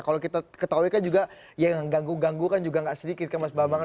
kalau kita ketahui kan juga yang ganggu ganggu kan juga nggak sedikit kan mas bambang